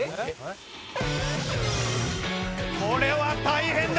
これは大変だ！